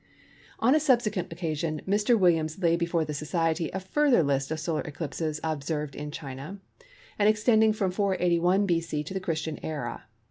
On a subsequent occasion Mr. Williams laid before the Society a further list of solar eclipses observed in China, and extending from 481 B.C. to the Christian Era.